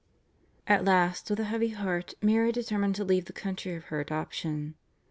At last with a heavy heart Mary determined to leave the country of her adoption.